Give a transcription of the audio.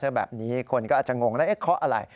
ถ้าแบบนี้คนก็อาจจะงงนะเคาะอะไร